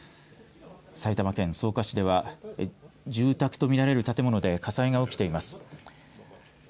埼玉県草加市では住宅と見られる建物で火災が起きています。